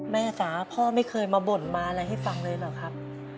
จ๋าพ่อไม่เคยมาบ่นมาอะไรให้ฟังเลยเหรอครับ